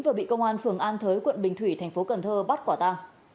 và bị công an phường an thới quận bình thủy tp cn bắt quả ta